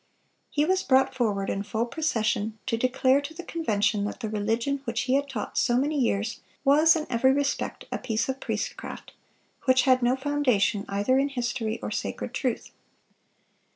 He was brought forward in full procession, to declare to the Convention that the religion which he had taught so many years was, in every respect, a piece of priestcraft, which had no foundation either in history or sacred truth.